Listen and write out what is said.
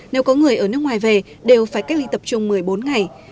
nếu có người ở nước ngoài về đều phải cách ly tập trung một mươi bốn ngày